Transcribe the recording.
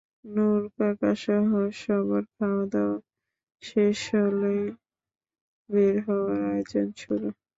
নুরু কাকাসহ সবার খাওয়া দাওয়া শেষ হলে বের হওয়ার আয়োজন শুরু।